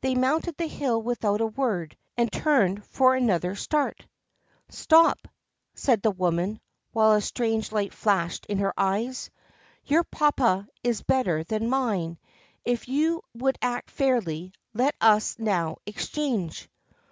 They mounted the hill without a word, and turned for another start. " Stop!" said the woman, while a strange Hght flashed in her eyes. "Your papa is better than mine. If you would act fairly, let us now exchange!"